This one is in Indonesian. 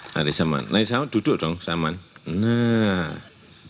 nari saman nari saman duduk dong saman nah